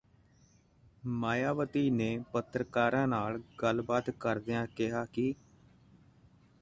ਮਾਇਆਵਤੀ ਨੇ ਪੱਤਰਕਾਰਾਂ ਨਾਲ ਗੱਲਬਾਤ ਕਰਦਿਆਂ ਕਿਹਾ ਕਿ